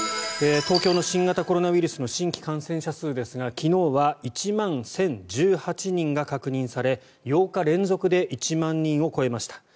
東京の新型コロナの新規感染者数ですが昨日は１万１０１８人が確認され８日連続で１万人を超えました。